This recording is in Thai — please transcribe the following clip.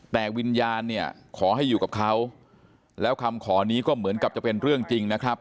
แต่วิญญาณเนี่ยขอให้อยู่กับเขาแล้วคำขอนี้ก็เหมือนกับจะเป็นเรื่องจริงนะครับ